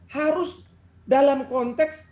harus dalam konteks